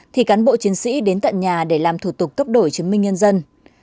thì cán bộ chiến sĩ đến tận nhà để làm thủ tục cấp đổi chứng minh nhân dân